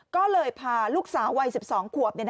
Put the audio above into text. ก็เลยพาลูกสาววัย๑๒ขวบ